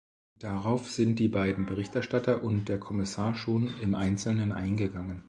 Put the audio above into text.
Darauf sind die beiden Berichterstatter und der Kommissar schon im Einzelnen eingegangen.